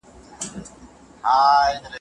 د امیندوارۍ پر مهال ښه خواړه وخورئ.